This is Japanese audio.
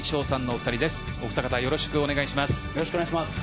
お二方よろしくお願いします。